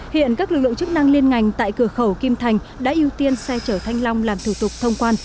hiện các lực lượng chức năng liên ngành tại cửa khẩu kim thành đã ưu tiên xe chở thanh long làm thủ tục thông quan